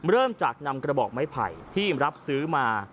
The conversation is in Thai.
เริ่มจากนำกระบอกไม้ไผ่ที่รับซื้อมา